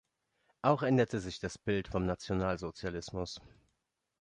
Auch änderte sich das Bild vom Nationalsozialismus.